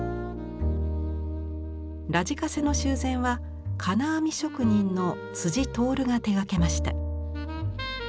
ラジカセの修繕は金網職人の徹が手がけました。